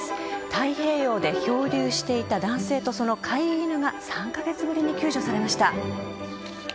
太平洋で漂流していた男性とその飼い犬が３カ月ぶりに救助されました。